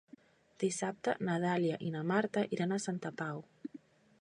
Dissabte na Dàlia i na Marta iran a Santa Pau.